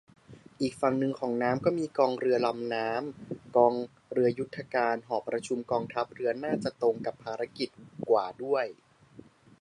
อีกฝั่งนึงของน้ำก็มีกองเรือลำน้ำ กองเรือยุทธการ หอประชุมกองทัพเรือ น่าจะตรงกับภารกิจกว่าด้วย